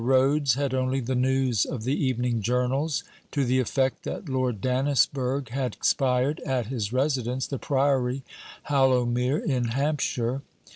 Rhodes had only the news of the evening journals, to the effect that Lord Dannisburgh had expired at his residence, the Priory, Hallowmere, in Hampshire.